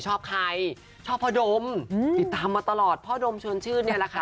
ชอบใครชอบพ่อดมติดตามมาตลอดพ่อดมชวนชื่นเนี่ยแหละค่ะ